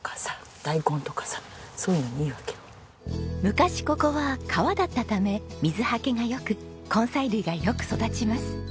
昔ここは川だったため水はけが良く根菜類がよく育ちます。